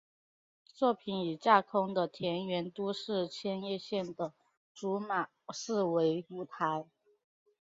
作品以架空的田园都市千叶县的竹马市为舞台。